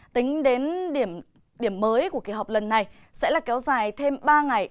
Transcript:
tính đến điểm mới của kỳ họp lần này sẽ là kéo dài thêm ba ngày